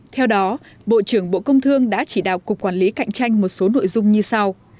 theo đó bộ trưởng bộ công thương đã chỉ đạo cục quản lý cạnh tranh một số nội dung như sau